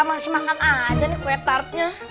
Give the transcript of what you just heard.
masih makan aja nih kue tartnya